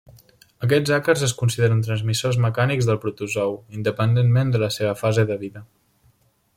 Aquests àcars es consideren transmissors mecànics del protozou, independentment de la seva fase de vida.